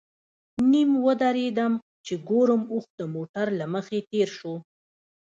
نیم ودرېدم چې ګورم اوښ د موټر له مخې تېر شو.